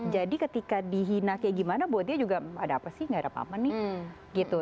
jadi ketika dihina kayak gimana buat dia juga ada apa sih gak ada apa apa nih gitu